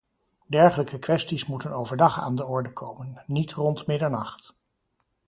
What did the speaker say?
Dergelijke kwesties moeten overdag aan de orde komen, niet rond middernacht.